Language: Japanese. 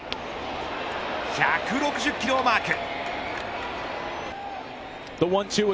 １６０キロをマーク。